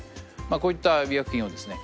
こういった医薬品をですね